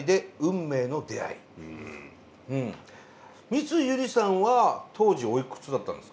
三井ゆりさんは当時おいくつだったんですか？